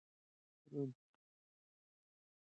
روڼتیا بیا د خلکو ترمنځ باور پیاوړی کوي.